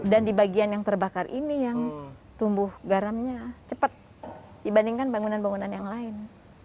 dan di bagian yang terbakar ini yang tumbuh garamnya cepat dibandingkan bangunan bangunan yang lain